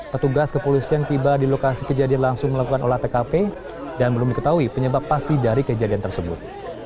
petugas kepolisian tiba di lokasi kejadian langsung melakukan olah tkp dan belum diketahui penyebab pasti dari kejadian tersebut